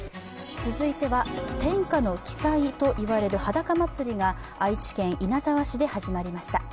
続いては天下の奇祭と言われるはだか祭が愛知県稲沢市で始まりました。